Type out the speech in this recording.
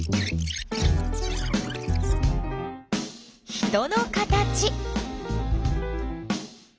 人の形。